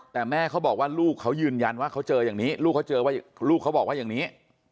แต่แม่เขาบอกว่าลูกเขายืนยันว่าเขาเจออย่างนี้ลูกเขาเจอว่าลูกเขาบอกว่าอย่างนี้